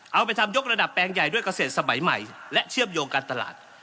เอาไปทำยกระดับแปลงใหญ่ด้วยเกษตรสมัยใหม่และเชื่อมโยงการตลาด